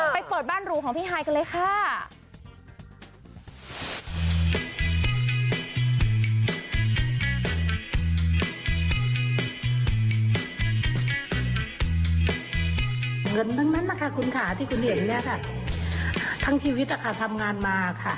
เปิดบ้านหรูของพี่ฮายกันเลยค่ะ